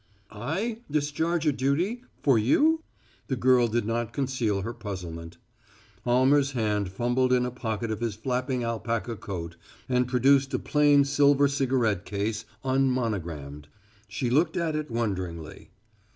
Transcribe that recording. "I discharge a duty for you?" The girl did not conceal her puzzlement. Almer's hand fumbled in a pocket of his flapping alpaca coat and produced a plain silver cigarette case, unmonogrammed. She looked at it wonderingly.